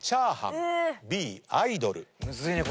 むずいね。